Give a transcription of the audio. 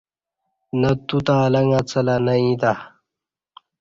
نہ تو تں الݩگ اڅہ لا نہ ییں تں